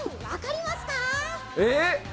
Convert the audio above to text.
えっ？